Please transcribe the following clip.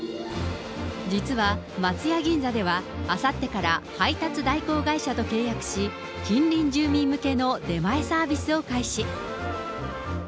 実は松屋銀座では、あさってから配達代行会社と契約し、近隣住民向けの出前サービスを開始。